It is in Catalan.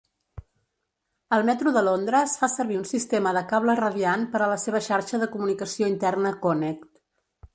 El metro de Londres fa servir un sistema de cable radiant per a la seva xarxa de comunicació interna "Connect".